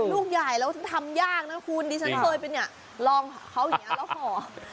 ลูกใหญ่แล้วทำยากนะคุณดิฉันเคยไปเนี่ยลองของเขาอย่างนี้แล้วห่อ